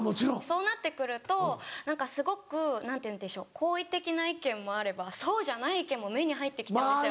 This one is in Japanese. そうなってくると何かすごく何ていうんでしょう好意的な意見もあればそうじゃない意見も目に入ってきちゃうんですよ。